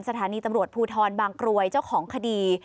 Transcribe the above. สถานีตำรวจภูทรบางกรวยเจ้าของคดี